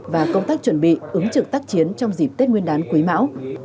và công tác chuẩn bị ứng trực tác chiến trong dịp tết nguyên đán quý mão